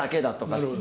なるほど。